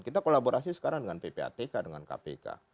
kita kolaborasi sekarang dengan ppatk dengan kpk